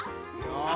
よし！